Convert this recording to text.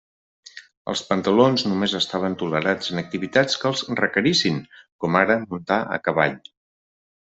Els pantalons només estaven tolerats en activitats que els requerissin, com ara muntar a cavall.